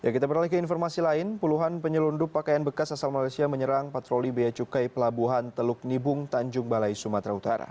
kita beralih ke informasi lain puluhan penyelundup pakaian bekas asal malaysia menyerang patroli beacukai pelabuhan teluk nibung tanjung balai sumatera utara